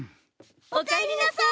おかえりなさい。